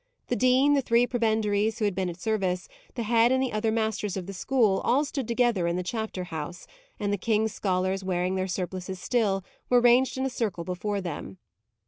The dean, the three prebendaries who had been at service, the head and other masters of the school, all stood together in the chapter house; and the king's scholars wearing their surplices still, were ranged in a circle before them.